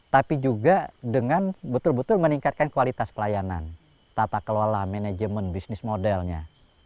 tapi juga dengan betul betul meningkatkan kualitas pelayanan tata kelola manajemen bisnis modelnya